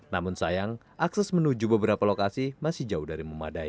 namun sayang akses menuju beberapa lokasi masih jauh dari memadai